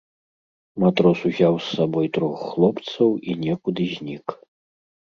Матрос узяў з сабой трох хлопцаў і некуды знік.